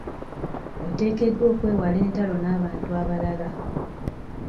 Oteekeddwa okwewala entalo n'abantu abalala.